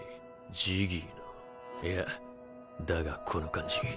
ジギーのいやだがこの感じ。